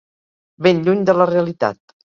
Ben lluny de la realitat.